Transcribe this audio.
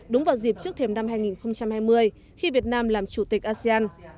đúng vào dịp trước thềm năm hai nghìn hai mươi khi việt nam làm chủ tịch asean